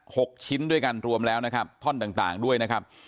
หกชิ้นด้วยกันรวมแล้วนะครับท่อนต่างต่างด้วยนะครับ